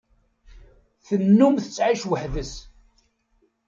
Tennum tettεic weḥd-s.